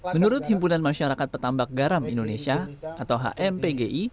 menurut himpunan masyarakat petambak garam indonesia atau hmpgi